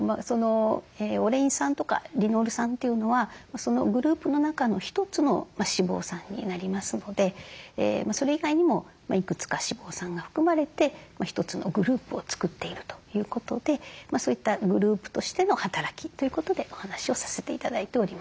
オレイン酸とかリノール酸というのはそのグループの中の一つの脂肪酸になりますのでそれ以外にもいくつか脂肪酸が含まれて一つのグループを作っているということでそういったグループとしての働きということでお話をさせて頂いております。